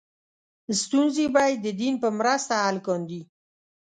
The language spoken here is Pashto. ستونزې به یې د دین په مرسته حل کاندې.